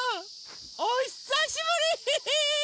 おひさしぶり！